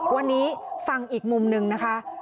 วันนี้ฟังอีกมุมหนึ่งนะคะ